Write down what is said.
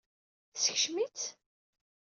Teskcem-itt?